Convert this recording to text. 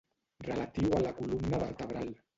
Relatiu a la columna vertebral.